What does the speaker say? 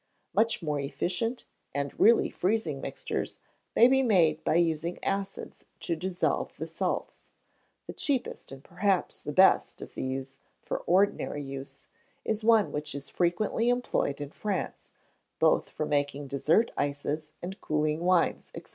Much more efficient and really freezing mixtures may be made by using acids to dissolve the salts. The cheapest, and perhaps the best, of these for ordinary use, is one which is frequently employed in France, both for making dessert ices, and cooling wines, &c.